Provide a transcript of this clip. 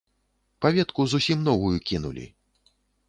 Паветку зусім новую кінулі.